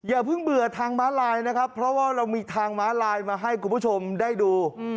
อย่าเพิ่งเบื่อทางม้าลายนะครับเพราะว่าเรามีทางม้าลายมาให้คุณผู้ชมได้ดู